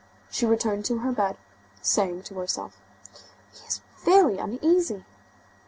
She returned to her bed, saying to herself: "He is very uneasy!"